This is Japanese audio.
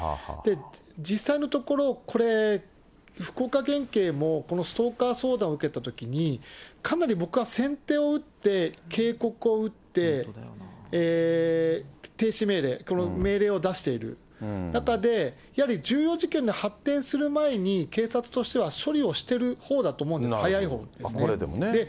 実際のところ、これ、福岡県警もこのストーカー相談を受けたときに、かなり僕は先手を打って、警告を打って、停止命令、命令を出している中で、やはり重要事件に発展する前に、警察としては処理をしてるほうだと思うんです、早いほうですね。